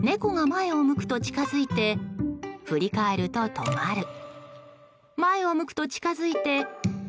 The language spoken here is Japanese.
前を向くと近づいて振り返ると止まる。